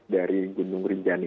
dari gunung rinjani